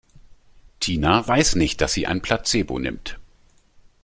Tina weiß nicht, dass sie ein Placebo nimmt.